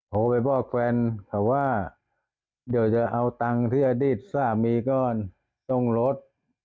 โทรไปบอกแฟนเขาว่าเดี๋ยวจะเอาตังค์ที่อดีตสามีก่อนต้องลด